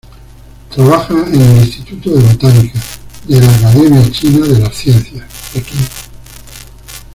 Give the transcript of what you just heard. Trabaja en el "Instituto de Botánica" de la Academia China de las Ciencias, Pekín.